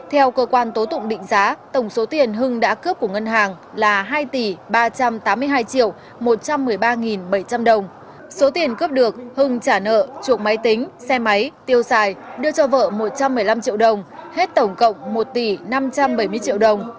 hưng trả nợ chuộc máy tính xe máy tiêu xài đưa cho vợ một trăm một mươi năm triệu đồng hết tổng cộng một tỷ năm trăm bảy mươi triệu đồng